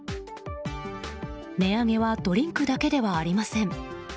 値上げはドリンクだけではありません。